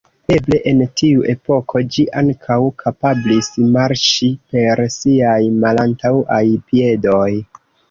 Eble en tiu epoko ĝi ankaŭ kapablis marŝi per siaj malantaŭaj piedoj.